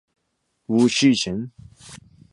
Wu Zhizhen.